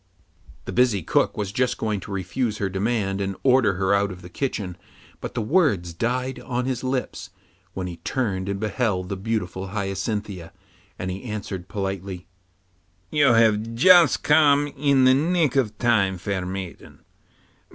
The busy cook was just going to refuse her demand and order her out of the kitchen, but the words died on his lips when he turned and beheld the beautiful Hyacinthia, and he answered politely, 'You have just come in the nick of time, fair maiden.